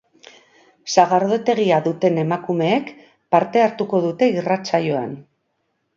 Sagardotegia duten emakumeek parte hartuko dute irratsaioan.